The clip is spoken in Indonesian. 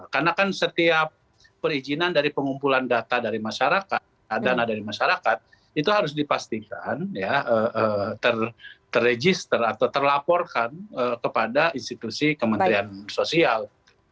karena kan setiap perizinan dari pengumpulan data dari masyarakat dana dari masyarakat itu harus dipastikan ya terregister atau terlaporkan kepada institusi kementerian sosial